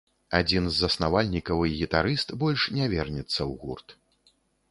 Адзін з заснавальнікаў і гітарыст больш не вернецца ў гурт.